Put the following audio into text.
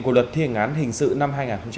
của luật thi hành án hình sự năm hai nghìn một mươi